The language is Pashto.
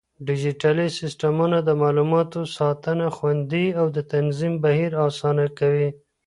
ډيجيټلي سيستمونه د معلوماتو ساتنه خوندي او د تنظيم بهير آسانه کوي.